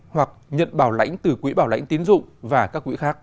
hoặc nhận bảo lãnh từ quỹ bảo lãnh tiến dụng và các quỹ khác